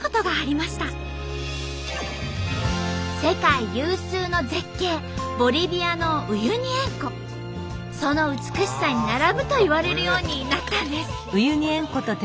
世界有数の絶景その美しさに並ぶと言われるようになったんです。